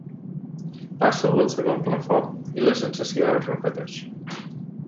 Passo al segon plafó i la sensació es repeteix.